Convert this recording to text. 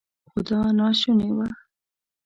خو دا ناشونې وه.